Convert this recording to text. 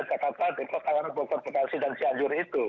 jakarta depok angang bogor kekasi dan cianjur itu